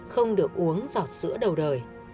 không được uống giọt sữa đầu đời